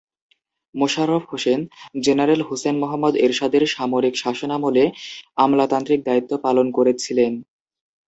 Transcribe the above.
Mosharraf Hossain general Hussain Muhammad এরশাদের সামরিক শাসনামলে আমলাতান্ত্রিক দায়িত্ব পালন করেছিলেন।